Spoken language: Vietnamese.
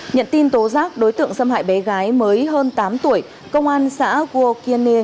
nhận tin tố giác đối tượng xâm hại bé gái mới hơn tám tuổi công an xã gua kiên